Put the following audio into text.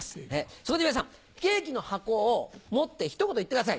そこで皆さんケーキの箱を持って一言言ってください。